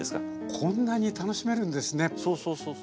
こんなに楽しめるんですね。